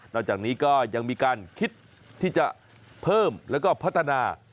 หลังจากนี้ก็ยังมีการคิดที่จะเพิ่มแล้วก็พัฒนา